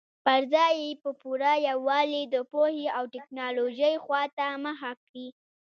پر ځای یې په پوره یووالي د پوهې او ټکنالوژۍ خواته مخه کړې.